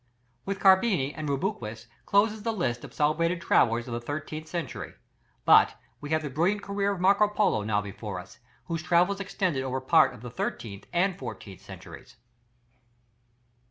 With Carpini and Rubruquis closes the list of celebrated travellers of the thirteenth century, but we have the brilliant career of Marco Polo now before us, whose travels extended over part of the thirteenth and fourteenth centuries.